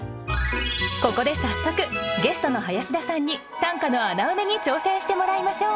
ここで早速ゲストの林田さんに短歌の穴埋めに挑戦してもらいましょう。